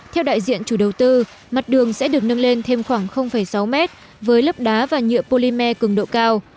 theo đại diện chủ đầu tư mặt đường sẽ được nâng lên thêm khoảng sáu mét với lớp đá và nhựa polymer cường độ cao